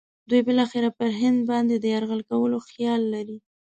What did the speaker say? دوی بالاخره پر هند باندې د یرغل کولو خیال لري.